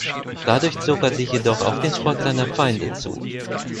Dadurch zog er sich jedoch auch den Spott seiner Feinde zu.